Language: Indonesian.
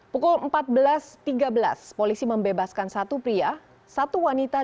pukul empat belas tiga belas polisi membebaskan satu pria satu wanita